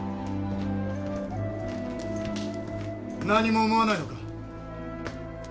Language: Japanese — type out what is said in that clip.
何も思わないのか？